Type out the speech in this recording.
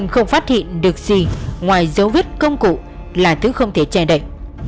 không phát hiện được gì ngoài dấu vết công cụ là thứ không thể che đậy